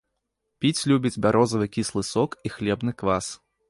Піць любіць бярозавы кіслы сок і хлебны квас.